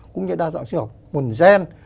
cũng như đa dạng sinh học nguồn gen